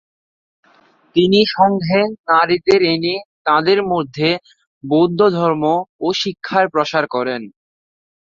তিনি সংঘে নারীদের এনে তাদের মধ্যে বৌদ্ধ ধর্ম ও শিক্ষার প্রসার করেন।